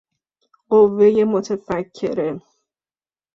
قوهُ متفکره